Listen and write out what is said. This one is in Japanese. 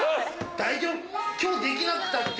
大丈夫今日できなくたって